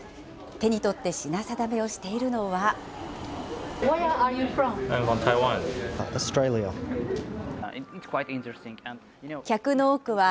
手に取って品定めをしているのは。